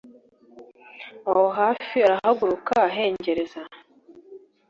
aho hafi arahaguruka ahengereza